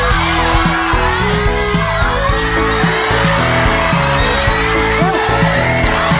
เร็วเย็น